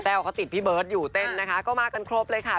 เขาติดพี่เบิร์ตอยู่เต้นนะคะก็มากันครบเลยค่ะ